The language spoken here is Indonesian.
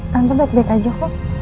tanpa baik baik aja kok